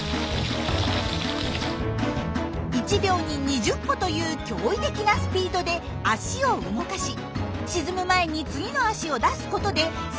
１秒に２０歩という驚異的なスピードで脚を動かし沈む前に次の脚を出すことで水面を走っているんです。